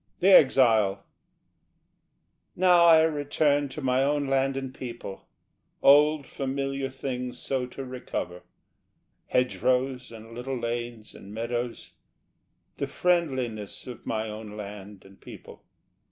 The Exile Now I return to my own land and people, Old familiar things so to recover, Hedgerows and little lanes and meadows, The friendliness of my own land and people.